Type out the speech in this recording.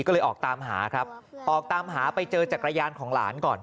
ก็เลยออกตามหาครับออกตามหาไปเจอจักรยานของหลานก่อน